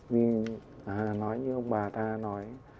vì nói như ông bà ta nói